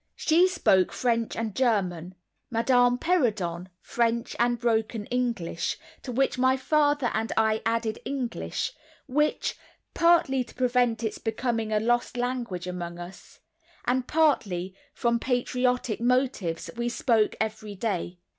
She spoke French and German, Madame Perrodon French and broken English, to which my father and I added English, which, partly to prevent its becoming a lost language among us, and partly from patriotic motives, we spoke every day.